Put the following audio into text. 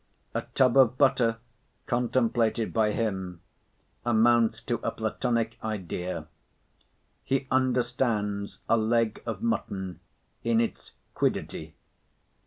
A tub of butter, contemplated by him, amounts to a Platonic idea. He understands a leg of mutton in its quiddity.